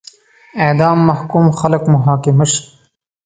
اعدام محکوم خلک محاکمه شي.